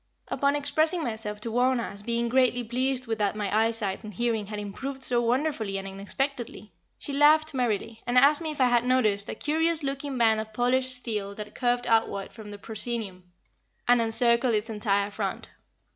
Upon expressing myself to Wauna as being greatly pleased that my eyesight and hearing had improved so wonderfully and unexpectedly, she laughed merrily, and asked me if I had noticed a curious looking band of polished steel that curved outward from the proscenium, and encircled its entire front?